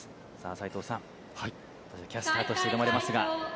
斎藤さん、キャスターとして挑まれますが。